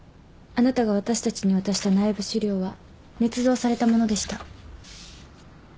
あなたが私たちに渡した内部資料は捏造された物でした。